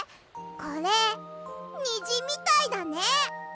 これにじみたいだね。